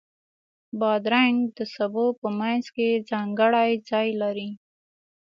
بادرنګ د سبو په منځ کې ځانګړی ځای لري.